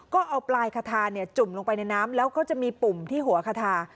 ก็เอาปลายคาทาจุ่มลงไปในน้ำแล้วก็จะมีปุ่มที่หัวคาทา